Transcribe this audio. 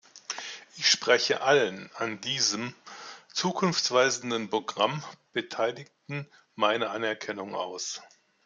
Ich spreche allen an diesem zukunftsweisenden Programm Beteiligten meine Anerkennung aus.